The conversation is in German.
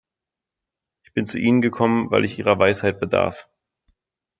Ich bin zu Ihnen gekommen, weil ich Ihrer Weisheit bedarf.